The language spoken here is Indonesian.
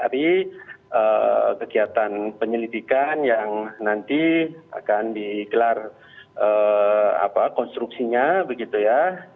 jadi kegiatan penyelidikan yang nanti akan dikelar konstruksinya begitu ya